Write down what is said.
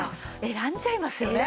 選んじゃいます。